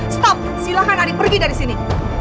stop silahkan adik pergi dari sini